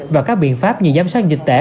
và các biện pháp như giám sát dịch tẻ